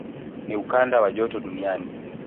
Ni ukanda wa joto duniani.